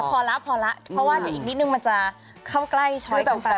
พอละเพราะว่าเดี๋ยวอีกนิดนึงมันจะเข้าใกล้ช้อยกันไป